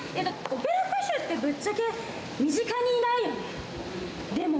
オペラ歌手ってぶっちゃけ、身近にいないよね？